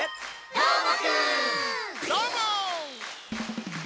どーも！